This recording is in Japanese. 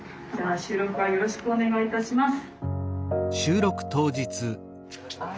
よろしくお願いします。